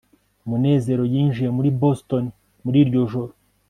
munezero yinjiye muri boston muri iryo joro